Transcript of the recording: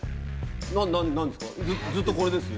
何ですか？